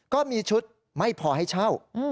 ก็มีชุดไม่พอให้เช่า